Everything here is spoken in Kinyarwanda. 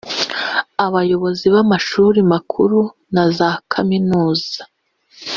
abayobozi b’amashuri makuru na za kaminuza